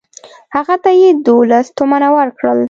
هغه ته یې دوولس تومنه ورکړل.